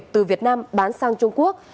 từ việt nam bán sang trung quốc